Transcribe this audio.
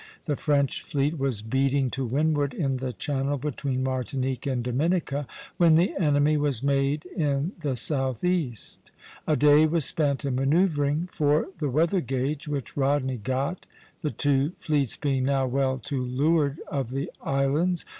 The French fleet was beating to windward in the Channel between Martinique and Dominica, when the enemy was made in the southeast. A day was spent in manoeuvring for the weather gage, which Rodney got. The two fleets being now well to leeward of the islands (Plate XI.)